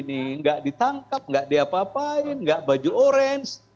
tidak ditangkap tidak diapa apain tidak baju orange